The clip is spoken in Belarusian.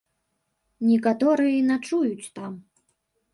Некаторыя і начуюць там.